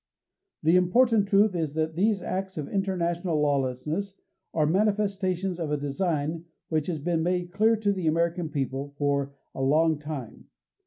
The important truth is that these acts of international lawlessness are a manifestation of a design which has been made clear to the American people for a long time.